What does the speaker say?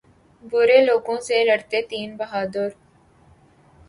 برے لوگوں سے لڑتے تین بہادر